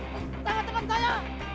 tengah teman saya